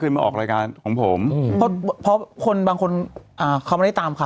เคยมาออกรายการของผมอืมแบบว่าพอคนบางคนอ่าเขา